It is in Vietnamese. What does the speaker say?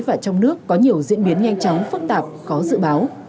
và trong nước có nhiều diễn biến nhanh chóng phức tạp khó dự báo